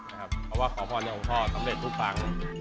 เพราะว่าขอพรในองค์พ่อสำเร็จทุกครั้ง